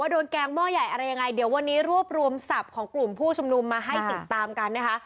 แกงหม้อใหญ่อะไรยังไงเดี๋ยววันนี้รวบรวมศัพท์ของกลุ่มผู้ชุมนุมมาให้ติดตามกันนะคะ